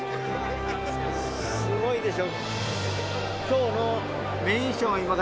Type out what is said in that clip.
すごいでしょ？